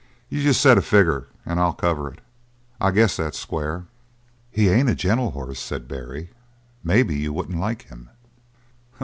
You just set a figger and I'll cover it. I guess that's square!" "He ain't a gentle hoss," said Barry. "Maybe you wouldn't like him."